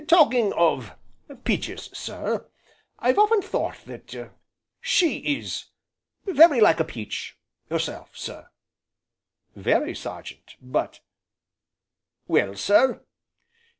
"Talking of peaches, sir, I've often thought she is very like a peach herself, sir." "Very, Sergeant, but " "Well, sir?"